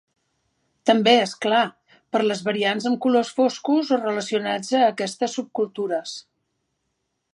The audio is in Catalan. També, és clar; per les variants amb colors foscos o relacionats a aquestes subcultures.